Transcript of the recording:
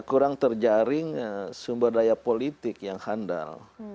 kurang terjaring sumber daya politik yang handal